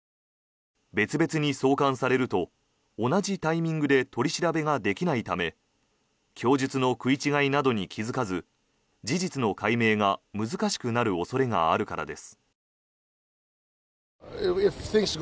別々に送還されると同じタイミングで取り調べができないため供述の食い違いなどに気付かず事実の解明が難しくなる恐れがあるからです。